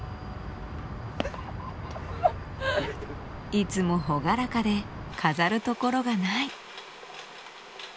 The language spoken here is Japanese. いつも朗らかで飾るところがない。